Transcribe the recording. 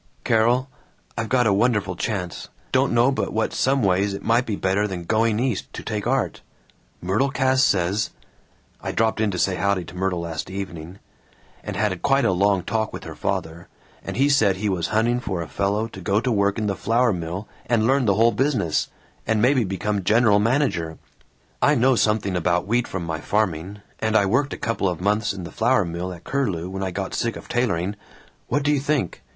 "Carol! I've got a wonderful chance! Don't know but what some ways it might be better than going East to take art. Myrtle Cass says I dropped in to say howdy to Myrtle last evening, and had quite a long talk with her father, and he said he was hunting for a fellow to go to work in the flour mill and learn the whole business, and maybe become general manager. I know something about wheat from my farming, and I worked a couple of months in the flour mill at Curlew when I got sick of tailoring. What do you think?